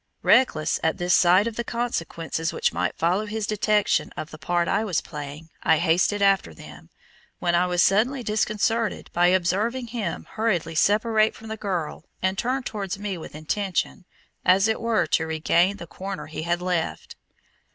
Reckless at this sight of the consequences which might follow his detection of the part I was playing, I hasted after them, when I was suddenly disconcerted by observing him hurriedly separate from the girl and turn towards me with intention as it were to regain the corner he had left.